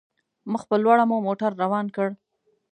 مخ په لوړه مو موټر روان کړ.